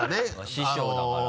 師匠だから。